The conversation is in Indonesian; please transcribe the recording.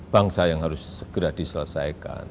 bangsa yang harus segera diselesaikan